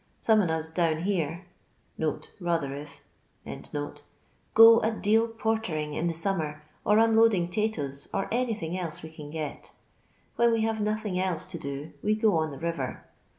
Some on ni down here" [Rotherhithe] ''go a deal portering in the •nmmer, or nnloa£ng 'tatoes, or anything else we can get; when we hare nothin' else to do, we go on the river.